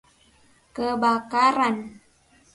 Kebakaran!